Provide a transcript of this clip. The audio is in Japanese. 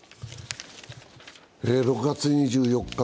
６月２４日